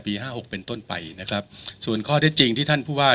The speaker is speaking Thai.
ห้าหกเป็นต้นไปนะครับส่วนข้อได้จริงที่ท่านผู้ว่า